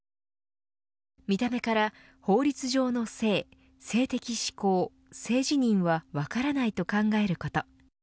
見た目から法律上の性性的指向性自認は分からないと考えること。